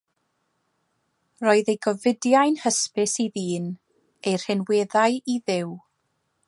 Roedd ei gofidiau'n hysbys i ddyn; ei rhinweddau i Dduw.